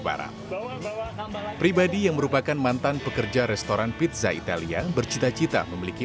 barang pribadi yang merupakan mantan pekerja restoran pizza italia bercita cita memiliki